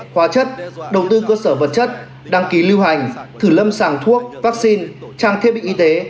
hóa chất đầu tư cơ sở vật chất đăng ký lưu hành thử lâm sàng thuốc vaccine trang thiết bị y tế